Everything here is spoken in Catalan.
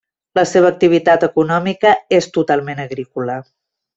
La seva activitat econòmica és totalment agrícola.